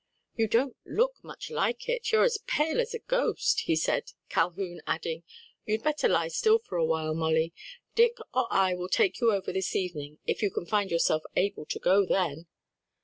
"You don't look much like it; you're as pale as a ghost," he said, Calhoun adding, "You'd better lie still for a while, Molly; Dick or I will take you over this evening, if you find yourself able to go then."